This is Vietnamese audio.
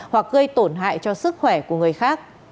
hoặc gây tổn hại cho sức khỏe của người khác